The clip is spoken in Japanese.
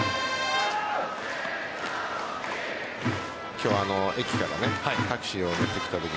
今日、駅からタクシーに乗ってきたとき